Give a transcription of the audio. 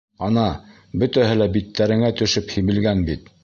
Ана, бөтәһе лә биттәреңә төшөп һибелгән бит...